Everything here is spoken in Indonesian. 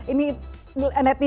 ini netizen kayaknya masih masih